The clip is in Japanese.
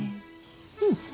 うん。